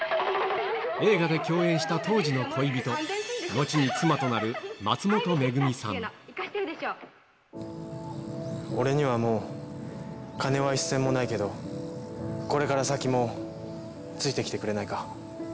映画で共演した当時の恋人、俺にはもう、金は一銭もないけど、これから先もついてきてくれないか？